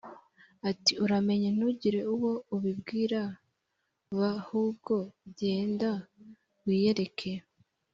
ati uramenye ntugire uwo ubibwira b ahubwo genda wiyereke